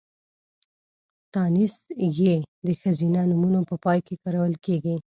تانيث ۍ د ښځينه نومونو په پای کې کارول کېږي.